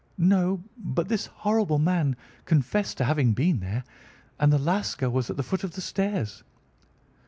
"No, but this horrible man confessed to having been there, and the Lascar was at the foot of the stairs."